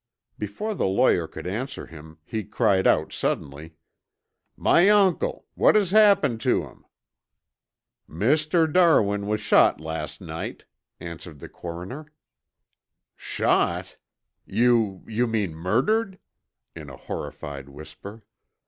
Before the lawyer could answer him, he cried out suddenly, "My uncle! What has happened to him!" "Mr. Darwin was shot last night," answered the coroner. "Shot? You you mean murdered?" in a horrified whisper.